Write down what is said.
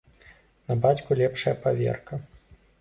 На бацьку лепшая паверка.